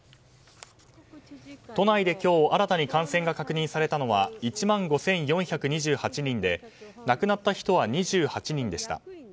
都内で今日新たに感染が確認されたのは１万５４２８人で亡くなった人は２８人でした。